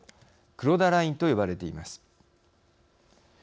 黒田ラインと呼ばれています。